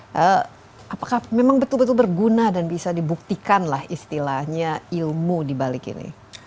dan juga apakah memang betul betul berguna dan bisa dibuktikanlah istilahnya ilmu di balik ini